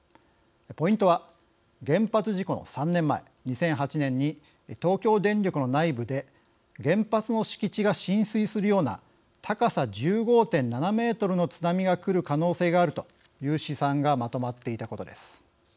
ポイントは原発事故の３年前、２００８年に東京電力の内部で原発の敷地が浸水するような高さ１５．７メートルの津波がくる可能性があるという試算がまとまっていたことです。